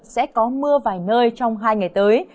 sẽ có mưa vài nơi trong hai ngày tới